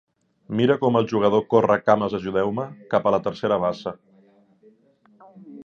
Mira com el jugador corre cames ajudeu-me cap a la tercera base.